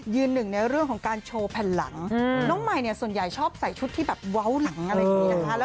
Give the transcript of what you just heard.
หนึ่งในเรื่องของการโชว์แผ่นหลังน้องใหม่เนี่ยส่วนใหญ่ชอบใส่ชุดที่แบบเว้าหลังอะไรอย่างนี้นะคะ